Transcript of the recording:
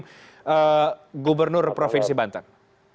pak gubernur provinsi banten